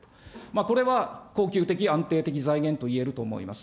これは恒久的、安定的財源といえると思います。